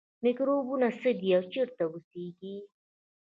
میکروبونه څه دي او چیرته اوسیږي